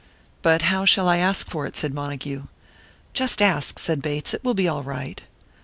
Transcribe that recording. "But how shall I ask for it?" said Montague. "Just ask," said Bates; "it will be all right."